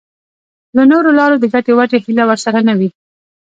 له نورو لارو د ګټې وټې هیله ورسره نه وي.